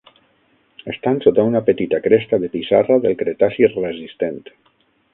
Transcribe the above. Estan sota una petita cresta de pissarra del Cretaci resistent.